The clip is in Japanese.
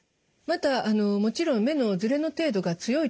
またもちろん目のずれの程度が強いとですね